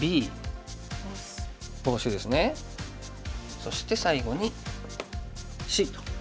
そして最後にＣと。